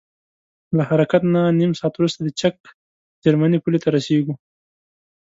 له حرکت نه نیم ساعت وروسته د چک جرمني پولې ته رسیږو.